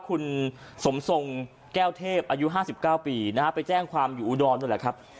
คุณสมทรงแก้วเทพอายุ๕๙ปีนะฮะไปแจ้งความอยู่อุดรนั่นแหละครับ